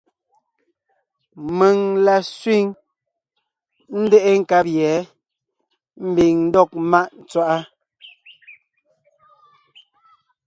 Mèŋ la sẅîŋ, ńdeʼe nkab yɛ̌ ḿbiŋ ńdɔg ḿmáʼ tswaʼá.